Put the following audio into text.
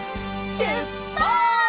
しゅっぱつ！